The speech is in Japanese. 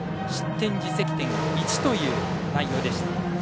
失点・自責点１という内容でした。